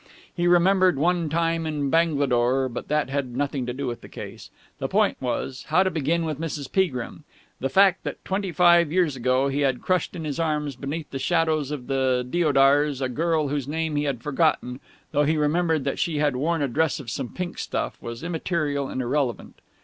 He remembered one time in Bangalore ... but that had nothing to do with the case. The point was, how to begin with Mrs. Peagrim. The fact that twenty five years ago he had crushed in his arms beneath the shadows of the deodars a girl whose name he had forgotten, though he remembered that she had worn a dress of some pink stuff, was immaterial and irrelevant.